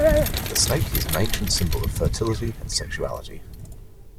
The snake is an ancient symbol of fertility and sexuality.